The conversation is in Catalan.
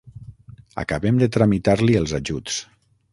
Acabem de tramitar-li els ajuts.